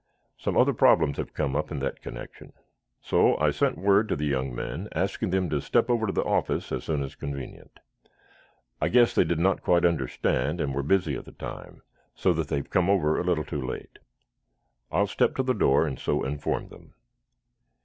Some other problems have come up in that connection. So I sent word to the young men, asking them to step over to the office as soon as convenient. I guess they did not quite understand, and were busy at the time, so that they have come over a little too late. I will step to the door, and so inform them."